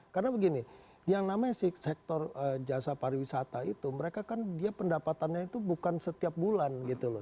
karena begini yang namanya sektor jasa para wisata itu mereka kan dia pendapatannya itu bukan setiap bulan gitu loh